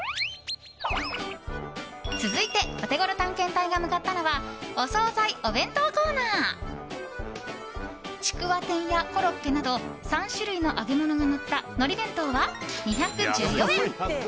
続いて、オテゴロ探検隊が向かったのはお総菜、お弁当コーナー。ちくわ天やコロッケなど３種類の揚げ物がのったのり弁当は２１４円。